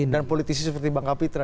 dan politisi seperti bang kapitra